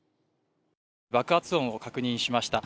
爆発音を確認しました。